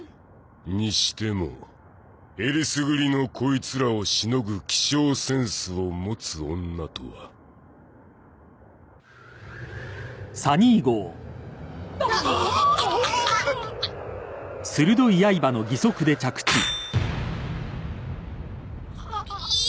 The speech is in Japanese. にしても選りすぐりのコイツらをしのぐ気象センスを持つ女とはだあい